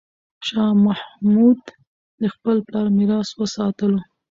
شاه محمود د خپل پلار میراث وساتلو.